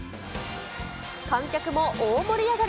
観客も大盛り上がり。